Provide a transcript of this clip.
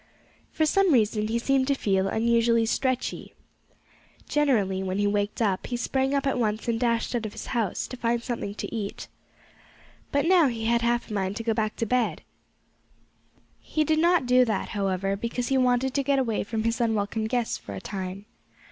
For some reason he seemed to feel unusually stretchy. Generally when he waked up he sprang up at once and dashed out of his house, to find something to eat. But now he had half a mind to go back to bed again. He did not do that, however, because he wanted to get away from his unwelcome guests for a time.